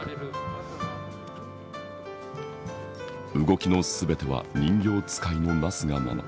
動きの全ては人形遣いのなすがまま。